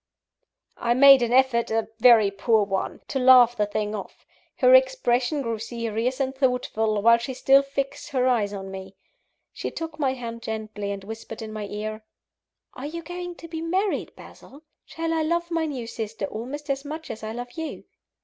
I made an effort a very poor one to laugh the thing off. Her expression grew serious and thoughtful, while she still fixed her eyes on me. She took my hand gently, and whispered in my ear: "Are you going to be married, Basil? Shall I love my new sister almost as much as I love you?"